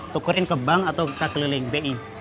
tukerin ke bank atau ke kas liling bi